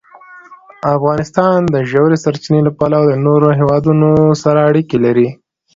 افغانستان د ژورې سرچینې له پلوه له نورو هېوادونو سره اړیکې لري.